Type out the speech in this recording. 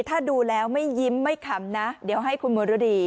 ถ้าดูแล้วไม่ยิ้มไม่ขำนะเดี๋ยวให้คุณมรดี